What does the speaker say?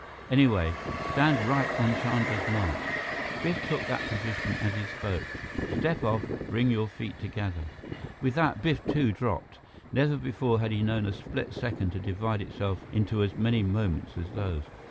Anyway, stand right on Chandra's mark" Biff took that position as he spoke "step off, bring your feet together " With that, Biff, too, dropped. Never before had he known a split second to divide itself into as many moments as those.